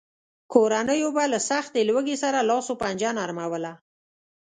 کورنیو به له سختې لوږې سره لاس و پنجه نرموله.